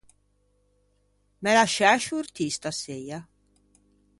Me lasciæ sciortî staseia?